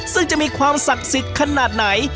ซึ่งจะมีความศักดิ์สิทธิ์ขนาดไหน